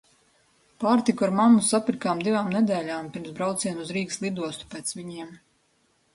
Pārtiku ar mammu sapirkām divām nedēļām pirms brauciena uz Rīgas lidostu pēc viņiem.